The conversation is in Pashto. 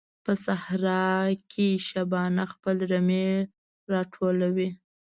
په صحراء کې شپانه خپل رمې راټولوي.